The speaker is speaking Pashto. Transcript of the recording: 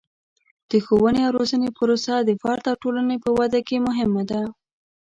د ښوونې او روزنې پروسه د فرد او ټولنې په ودې کې مهمه ده.